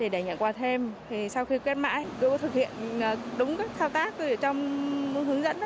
để nhận quà thêm sau khi quét mãi tôi có thực hiện đúng các thao tác ở trong hướng dẫn